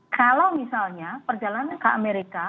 kalau misalnya perjalanan ke amerika